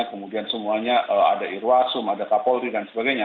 kemudian semuanya ada irwasum ada pak polri dan sebagainya